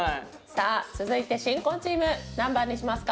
さあ続いて新婚チーム何番にしますか？